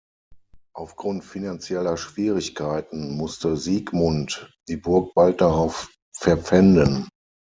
Aufgrund finanzieller Schwierigkeiten musste Sigmund die Burg bald darauf verpfänden.